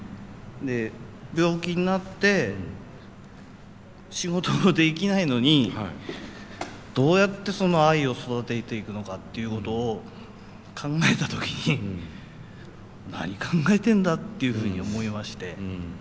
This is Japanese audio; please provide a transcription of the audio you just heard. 病気になって仕事もできないのにどうやってそのアイを育てていくのかっていうことを考えた時に何考えてんだっていうふうに思いまして。